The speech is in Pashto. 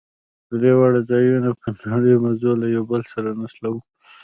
درې واړه ځايونه په نريو مزو له يو بل سره نښلوو.